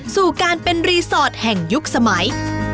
สู่การเป็นรีสอร์ทแห่งยุคสมัย